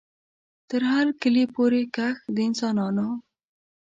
تر هر کلي پوري کښ د انسانانو